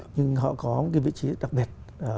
nhưng họ có một vị trí đặc biệt